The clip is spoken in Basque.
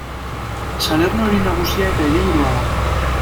Salerno hiri nagusia eta hiriburua da.